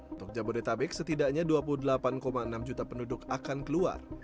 untuk jabodetabek setidaknya dua puluh delapan enam juta penduduk akan keluar